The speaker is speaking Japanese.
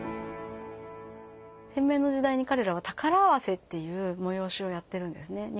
天明の時代に彼らは宝合わせっていう催しをやってるんですね